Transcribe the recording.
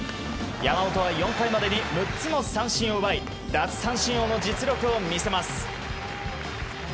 山本は４回までに６つの三振を奪い奪三振王の実力を見せます。